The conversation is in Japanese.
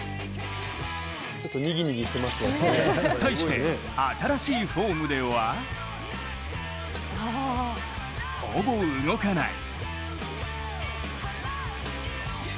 対して、新しいフォームではほぼ動かない。